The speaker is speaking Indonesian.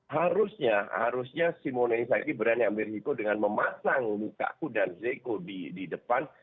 harusnya harusnya simone inzaghi berani amir hiko dengan memasang mukaku dan zeko di depan